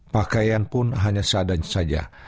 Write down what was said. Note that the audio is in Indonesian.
pakaian pun hanya seadan saja